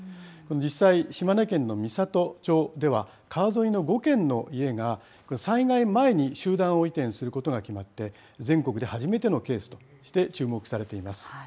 実際、島根県の美郷町では、川沿いの５軒の家が災害前に集団移転をすることが決まって、全国で初めてのケースとして注目されています。